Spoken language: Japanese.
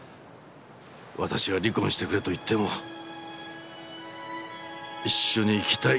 私が離婚してくれと言っても「一緒に生きたい」